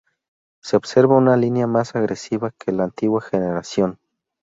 Se observa una línea más agresiva que la antigua generación.